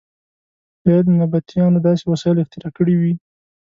شاید نبطیانو داسې وسایل اختراع کړي وي.